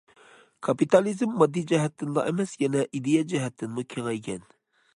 كاپىتالىزم ماددىي جەھەتتىنلا ئەمەس، يەنە ئىدىيە جەھەتتىنمۇ كېڭەيگەن.